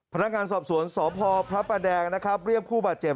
พนักงานสอบสวนสพพระประแดงนะครับเรียกผู้บาดเจ็บ